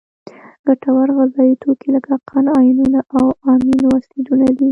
ګټور غذایي توکي لکه قند، آیونونه او امینو اسیدونه دي.